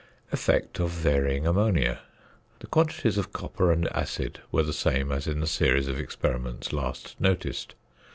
~Effect of Varying Ammonia.~ The quantities of copper and acid were the same as in the series of experiments last noticed.